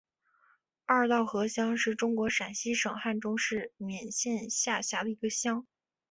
二道河乡是中国陕西省汉中市勉县下辖的一个乡。